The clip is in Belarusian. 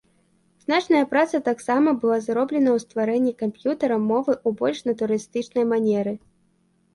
Значная праца таксама была зроблена ў стварэнні камп'ютарам мовы ў больш натуралістычнай манеры.